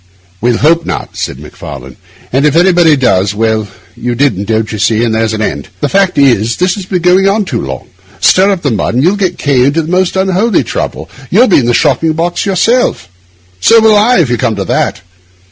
'We'll hope not,' said Macfarlane, 'and if anybody does—well, you didn't, don't you see, and there's an end. The fact is, this has been going on too long. Stir up the mud, and you'll get K— into the most unholy trouble; you'll be in a shocking box yourself. So will I, if you come to that.